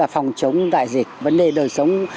phòng chống đại dịch vấn đề đời sống